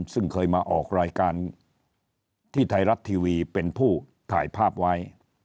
ซึ่งเคยมาออกรายการที่ไทยรัฐทีวีเป็นผู้ถ่ายภาพไว้